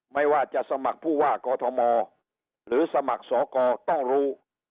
ไม่ว่าจะสมัครผู้ว่ากอทมหรือสมัครสอกรต้องรู้